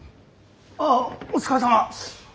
ああお疲れさま。